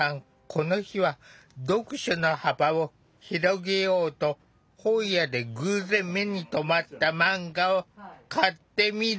この日は読書の幅を広げようと本屋で偶然目に留まったマンガを買ってみることに。